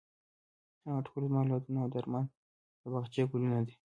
هغه ټول زما اولادونه او د ارمان د باغچې ګلونه دي.